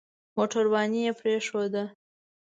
موټرواني يې پرېښوده.